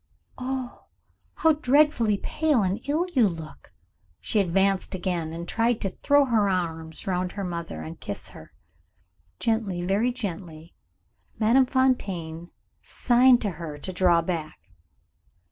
"Oh, how dreadfully pale and ill you look!" She advanced again, and tried to throw her arms round her mother, and kiss her. Gently, very gently, Madame Fontaine signed to her to draw back.